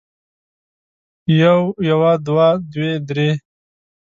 يو يوه دوه دوې درې